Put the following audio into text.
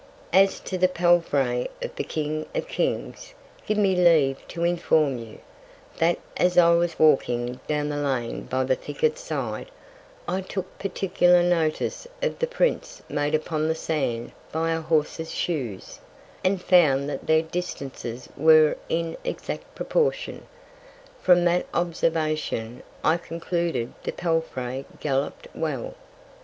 As to the Palfrey of the King of Kings, give me leave to inform you, that as I was walking down the Lane by the Thicket side, I took particular Notice of the Prints made upon the Sand by a Horse's Shoes; and found that their Distances were in exact Proportion; from that Observation, I concluded the Palfrey gallop'd well.